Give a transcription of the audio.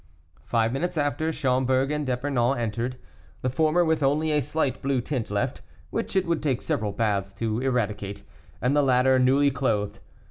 Five minutes after, Schomberg and D'Epernon entered; the former with only a slight blue tint left, which it would take several baths to eradicate, and the latter newly clothed.